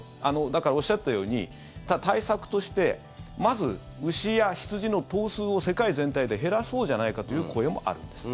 だから、おっしゃったように対策としてまず、牛や羊の頭数を世界全体で減らそうじゃないかという声もあるんです。